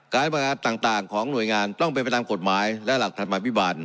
การประงัดต่างของหน่วยงานต้องเป็นประจำกฎหมายและหลักธรรมบิบัตร